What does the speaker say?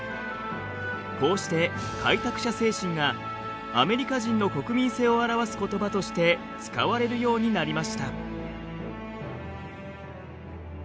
こうして開拓者精神がアメリカ人の国民性を表す言葉として使われるようになりました。